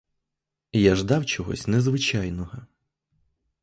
Я ждав чогось незвичайного.